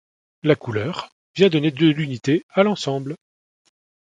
La couleur vient donner de l'unité à l'ensemble.